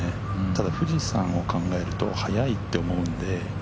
ただ富士山を考えると速いと思うので。